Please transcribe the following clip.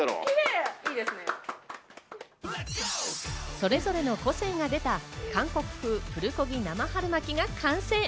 それぞれの個性が出た韓国風プルコギ生春巻きが完成。